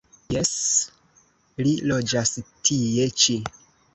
Jes, li loĝas tie ĉi.